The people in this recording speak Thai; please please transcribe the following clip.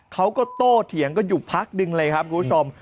เขาก็โตเถียงกันอยู่พักหนึ่งเลยครับคุณผู้ชม